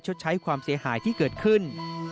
ชดใช้ความเสียหายที่เกิดขึ้น